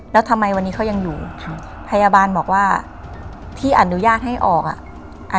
แล้วทำไมวันนี้เขายังอยู่ครับพยาบาลบอกว่าพี่อนุญาตให้ออกอ่ะ